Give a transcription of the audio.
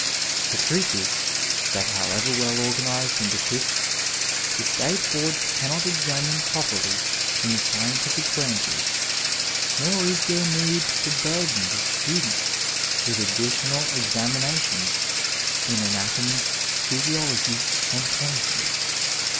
The truth is, that however Digitized by Google CHAUVINISM m MEDICINE well organized and equipped, the State Boards cannot examine properly in the scientific branches, nor is there need to burden the students with additional examinations in anatomy, physiology and chemistry.